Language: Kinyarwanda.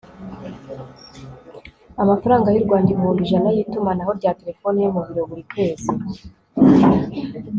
amafaranga y'u rwanda ibihumbi ijana y'itumanaho rya telefone yo mu biro, buri kwezi